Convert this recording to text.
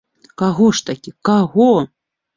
Каго ж такі, каго?